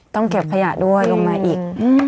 เก็บขยะด้วยลงมาอีก